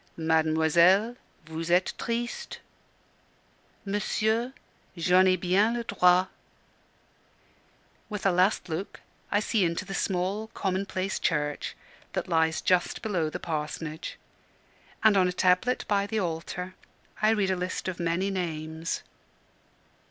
"Mademoiselle, vous etes triste." "Monsieur, j'en ai bien le droit." With a last look I see into the small, commonplace church that lies just below the parsonage: and on a tablet by the altar I read a list of many names.